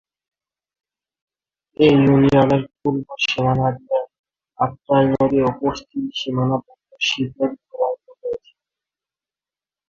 এ ইউনিয়নের পূর্ব সীমানা দিয়ে আত্রাই নদী ও পশ্চিম সীমানা বরাবর শিব নদী প্রবাহিত হয়েছে।